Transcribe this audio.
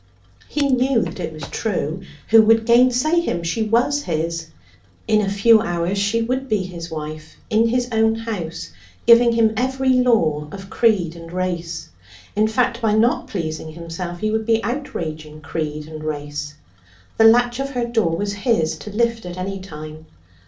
He knew that it was true. Who would gainsay him? She was his. In a few hours she would be his wife, in his own house, giving him every law of creed and race. In fact, by not pleasing himself he would be outraging creed and race. The latch of her door was his to lift at any time.